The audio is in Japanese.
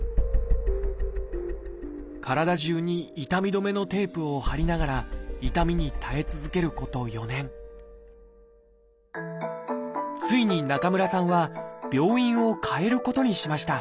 体じゅうに痛み止めのテープを貼りながら痛みに耐え続けること４年ついに中村さんは病院を替えることにしました。